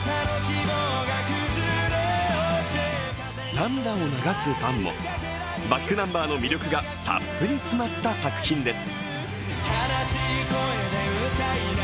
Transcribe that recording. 涙を流すファンも、ｂａｃｋｎｕｍｂｅｒの魅力がたっぷり詰まった作品です。